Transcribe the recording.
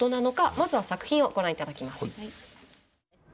まずは作品をご覧いただきます。